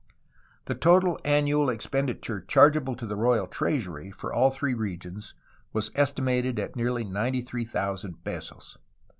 The total annual expenditure chargeable to the royal treasury for all three regions was estimated at nearly 93,000 pesos.